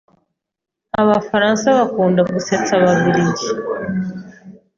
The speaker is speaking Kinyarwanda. Abafaransa bakunda gusetsa Ababiligi.